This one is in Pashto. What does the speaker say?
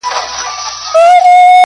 تر ده مزنګه پوري تلم.